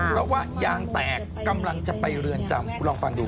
เพราะว่ายางแตกกำลังจะไปเรือนจำคุณลองฟังดู